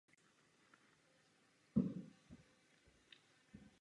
Vedle toho jsou platy žen velmi důležité v rámci rodiny.